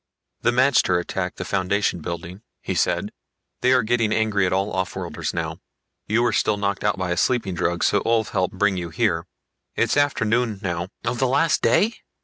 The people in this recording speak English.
"The magter attacked the Foundation building," he said. "They are getting angry at all offworlders now. You were still knocked out by a sleeping drug, so Ulv helped bring you here. It's afternoon now " "Of the last day?"